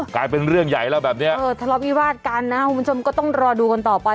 กลายเป็นเรื่องใหญ่แล้วแบบเนี้ยเออทะเลาะวิวาสกันนะคุณผู้ชมก็ต้องรอดูกันต่อไป